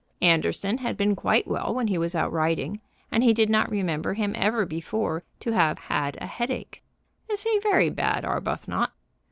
Anderson had been quite well when he was out riding, and he did not remember him ever before to have had a headache. "Is he very bad, Arbuthnot?"